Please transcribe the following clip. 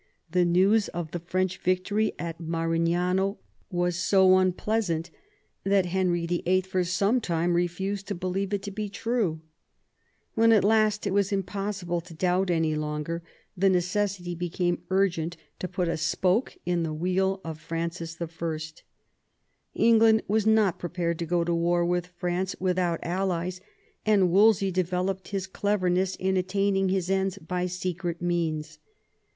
The news of the French victory at Marignano was so unpleasant that Henry VIII. for some time refused to believe it to be true. When at last it was impossible to doubt any longer, the necessity became urgent to put a spoke in the wheel of Francis I. England was not prepared to go to war with France without allies, and Wolsey developed his cleverness in attaining his ends by secret means.